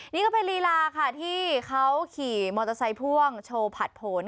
นี่ก็เป็นลีลาค่ะที่เขาขี่มอเตอร์ไซค์พ่วงโชว์ผัดผล